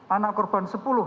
anak korban dua